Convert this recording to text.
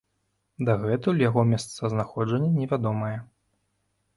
Дагэтуль яго месцазнаходжанне невядомае.